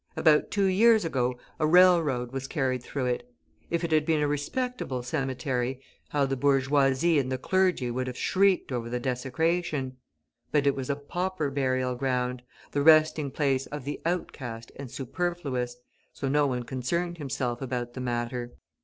About two years ago a railroad was carried through it. If it had been a respectable cemetery, how the bourgeoisie and the clergy would have shrieked over the desecration! But it was a pauper burial ground, the resting place of the outcast and superfluous, so no one concerned himself about the matter.